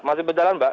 masih berjalan mbak